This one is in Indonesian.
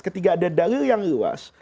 ketika ada dalil yang luas